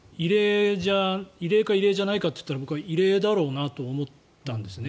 異例か異例じゃないかと言ったら僕は異例だと思ったんですね。